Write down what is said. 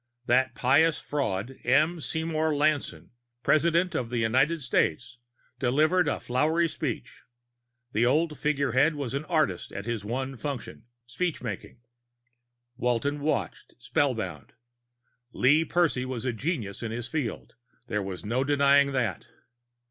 That pious fraud, M. Seymour Lanson, President of the United States, delivered a flowery speech; the old figurehead was an artist at his one function, speechmaking. Walton watched, spellbound. Lee Percy was a genius in his field; there was no denying that.